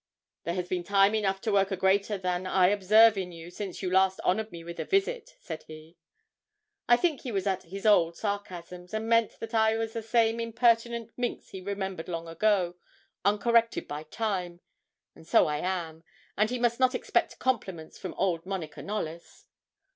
'"There has been time enough to work a greater than I observe in you since you last honoured me with a visit," said he. 'I think he was at his old sarcasms, and meant that I was the same impertinent minx he remembered long ago, uncorrected by time; and so I am, and he must not expect compliments from old Monica Knollys.